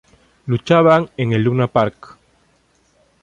Luchaban en el Luna Park.